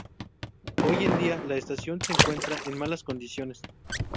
Hoy en día, la estación se encuentra en malas condiciones.